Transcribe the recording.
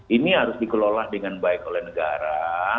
ini harus dikelola dengan baik oleh negara